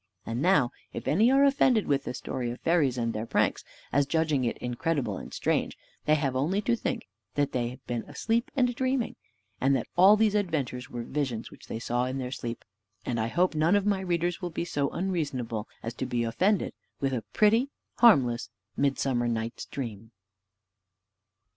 And now, if any are offended with this story of fairies and their pranks, as judging it incredible and strange, they have only to think that they have been asleep and dreaming, and that all these adventures were visions which they saw in their sleep; and I hope none of my readers will be so unreasonable as to be offended with a pretty harmless Midsummer Night's Dream.